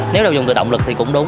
nếu đều dùng từ động lực thì cũng đúng